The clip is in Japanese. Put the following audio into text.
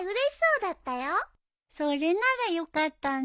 それならよかったね。